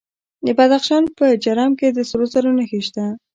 د بدخشان په جرم کې د سرو زرو نښې شته.